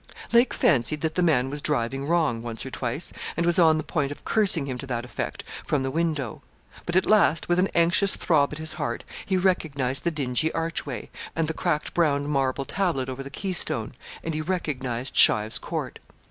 Lake fancied that the man was driving wrong, once or twice, and was on the point of cursing him to that effect, from the window. But at last, with an anxious throb at his heart, he recognised the dingy archway, and the cracked brown marble tablet over the keystone, and he recognised Shive's Court.